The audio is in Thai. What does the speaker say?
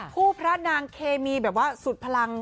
พระนางเคมีแบบว่าสุดพลัง